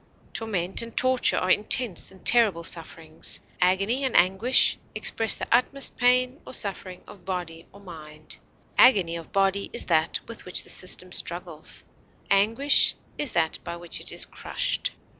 Torment and torture are intense and terrible sufferings. Agony and anguish express the utmost pain or suffering of body or mind. Agony of body is that with which the system struggles; anguish that by which it is crushed.